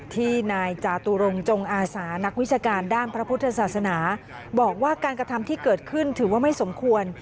ที่นายจาตุรงจงอาสานักวิชาการด้านพระพุทธศาสนาบอกว่าการกระทำที่เกิดขึ้นถือว่าไม่สมควร